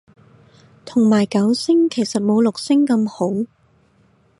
同埋九聲其實冇六聲咁好